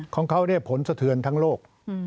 ของเขาผลสะเทือนทั้งโลก